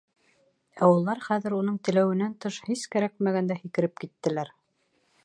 Ә улар, хәҙер уның теләүенән тыш, һис кәрәкмәгәндә, һикереп киттеләр.